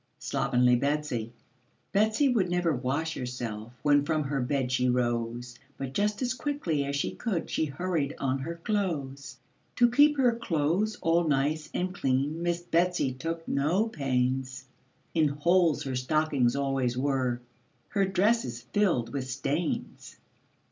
SLOVENLY BETSY Betsy would never wash herself When from her bed she rose, But just as quickly as she could She hurried on her clothes. To keep her clothes all nice and clean Miss Betsy took no pains; In holes her stockings always were, Her dresses filled with stains.